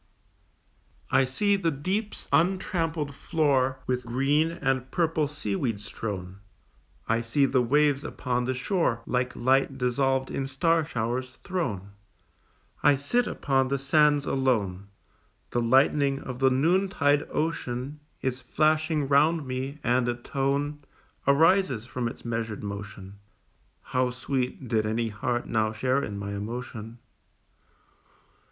I see the deep's untrampled floor With green and purple seaweeds strown; I see the waves upon the shore, Like light dissolved in star showers, thrown: I sit upon the sands alone, The lightning of the noontide ocean Is flashing round me, and a tone Arises from its measured motion, How sweet! did any heart now share in my emotion.